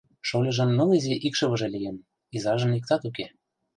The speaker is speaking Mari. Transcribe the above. Шольыжын ныл изи икшывыже лийын, изажын иктат уке.